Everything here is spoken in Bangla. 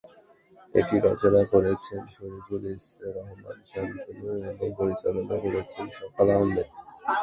এটি রচনা করেছেন শফিকুর রহমান শান্তনু এবং পরিচালনা করেছেন সকাল আহমেদ।